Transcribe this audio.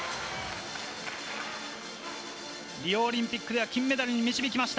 リオオリンピックでは金メダルに導きました。